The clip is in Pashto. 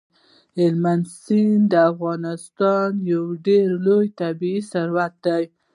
هلمند سیند د افغانستان یو ډېر لوی طبعي ثروت دی.